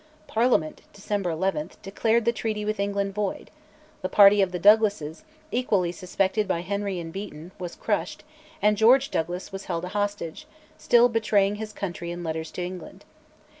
Parliament (December 11) declared the treaty with England void; the party of the Douglases, equally suspected by Henry and by Beaton, was crushed, and George Douglas was held a hostage, still betraying his country in letters to England.